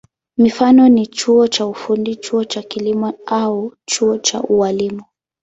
Mifano ni chuo cha ufundi, chuo cha kilimo au chuo cha ualimu.